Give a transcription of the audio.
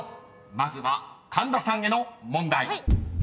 ［まずは神田さんへの問題］